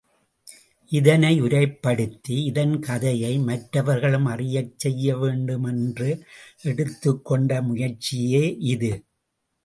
இதனை உரைப்படுத்தி இதன் கதையை மற்றவர்களும் அறியச் செய்ய வேண்டும் என்று எடுத்துக் கொண்ட முயற்சியே இது.